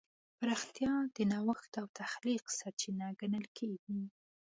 پراختیا د نوښت او تخلیق سرچینه ګڼل کېږي.